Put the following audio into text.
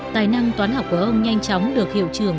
tài năng toán học của ông nhanh chóng được hiệu trường